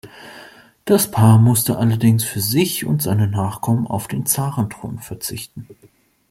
Das Paar musste allerdings für sich und seine Nachkommen auf den Zarenthron verzichten.